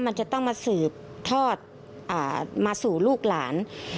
มันจะต้องมาสืบทอดมาสู่ลูกหลาน